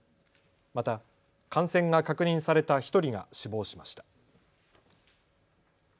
また感染が確認された１人が死亡しました。